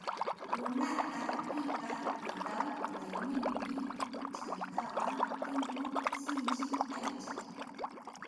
Runapa qipa wiqaw urayninpi chankawan tinkuq sinchi aycha